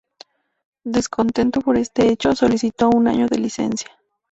Descontento por este hecho, solicitó un año de licencia.